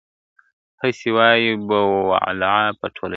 هسي وايي بوالعلا په ټوله ژوند ..